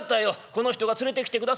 この人が連れてきてくだ。